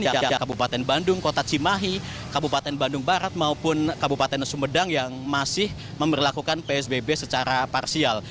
yakni kabupaten bandung kota cimahi kabupaten bandung barat maupun kabupaten sumedang yang masih memperlakukan psbb secara parsial